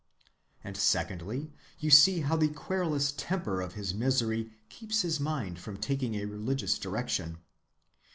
And secondly you see how the querulous temper of his misery keeps his mind from taking a religious direction.